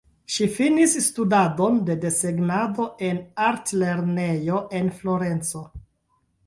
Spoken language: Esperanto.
Ŝi finis studadon de desegnado en artlernejo en Florenco.